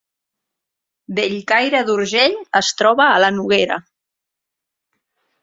Bellcaire d’Urgell es troba a la Noguera